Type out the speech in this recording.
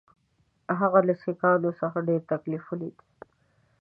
هغه له سیکهانو څخه ډېر تکلیف ولید.